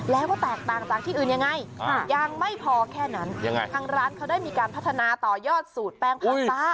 แล้วก็แตกต่างจากที่อื่นยังไงยังไม่พอแค่นั้นยังไงทางร้านเขาได้มีการพัฒนาต่อยอดสูตรแป้งพาต้า